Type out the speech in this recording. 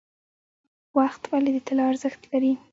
وخت ولې د طلا ارزښت لري؟